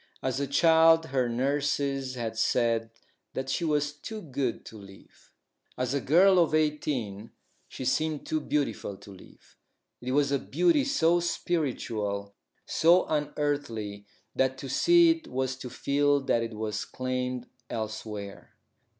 As a child her nurses had said that she was too good to live. As a girl of eighteen she seemed too beautiful to live. It was a beauty so spiritual, so unearthly, that to see it was to feel that it was claimed elsewhere.